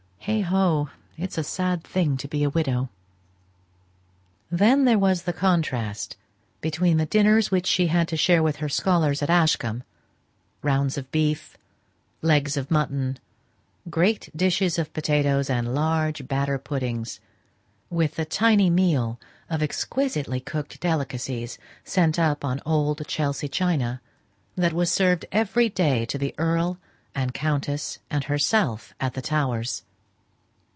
Heigho! it's a sad thing to be a widow." Then there was the contrast between the dinners which she had to share with her scholars at Ashcombe rounds of beef, legs of mutton, great dishes of potatoes, and large batter puddings, with the tiny meal of exquisitely cooked delicacies, sent up on old Chelsea china, that was served every day to the earl and countess and herself at the Towers.